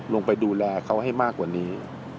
ลงไปดูแลเขาให้มากกว่านี้